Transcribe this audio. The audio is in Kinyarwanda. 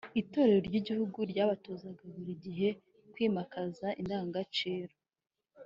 itorero ry’igihugu, ryabatozaga buri gihe kwimakaza indangagaciro